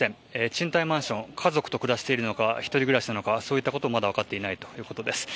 賃貸マンション家族と暮らしているのか１人暮らしなのかそういったことも分かっていないということです。